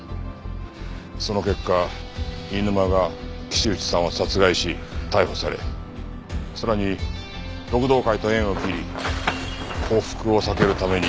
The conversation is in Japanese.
その結果飯沼が岸内さんを殺害し逮捕されさらに六道会と縁を切り報復を避けるために。